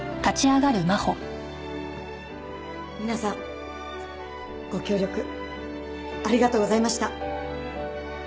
皆さんご協力ありがとうございました。